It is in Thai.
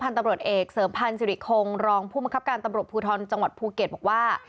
พันธุ์สิริคคงรองผู้มักครับการตำรวจภูเทิร์นจังหวัดภูเก็ตบอกว่า